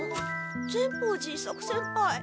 善法寺伊作先輩。